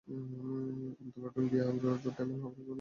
Amtala-Dongaria road diamond Harbour রোডের সঙ্গে যুক্ত।